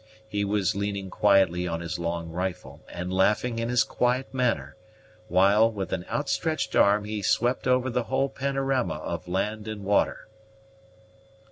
He was leaning quietly on his long rifle, and laughing in his quiet manner, while, with an outstretched arm, he swept over the whole panorama of land and water.